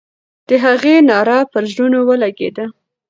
د هغې ناره پر زړونو ولګېده.